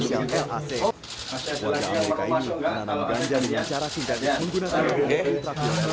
yang menunjukkan kepencian lac